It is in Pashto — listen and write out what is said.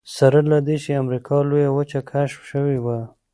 سره له دې چې امریکا لویه وچه کشف شوې وه.